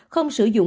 không sử dụng